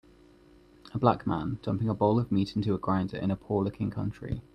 A black man, dumping a bowl of meat into a grinder in a poor looking country.